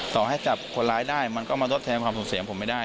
ต่อให้จับคนร้ายได้มันก็มาทดแทนความสูญเสียของผมไม่ได้